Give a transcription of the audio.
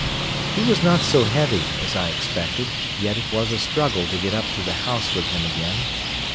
He was not so heavy as I expected, yet it was a struggle to get up to the house with him again.